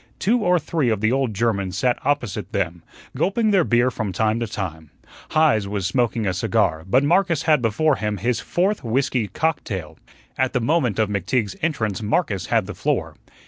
Two or three of the old Germans sat opposite them, gulping their beer from time to time. Heise was smoking a cigar, but Marcus had before him his fourth whiskey cocktail. At the moment of McTeague's entrance Marcus had the floor.